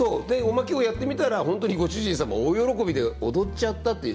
でおまけをやってみたら本当にご主人様大喜びで踊っちゃった。